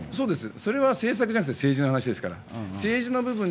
それは政策じゃなくて政治の話ですから。